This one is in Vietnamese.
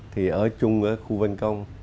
thì ở chung khu văn công